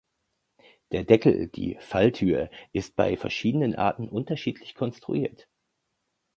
Der Deckel, die „Falltür“, ist bei den verschiedenen Arten unterschiedlich konstruiert.